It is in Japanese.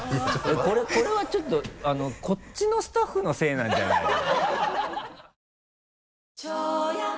これはちょっとこっちのスタッフのせいなんじゃないの？